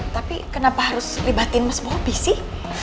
tapi kenapa harus ribatin mas bobby sih